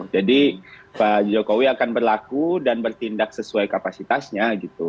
jadi pak jokowi akan berlaku dan bertindak sesuai kapasitasnya gitu